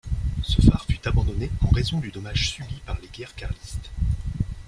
Ce phare fut abandonné en raison du dommage subi par les guerres carlistes.